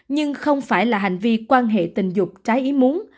nhưng không phải là hành vi quan hệ tình dục trái ý muốn